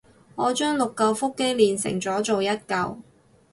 我將六舊腹肌鍊成咗做一舊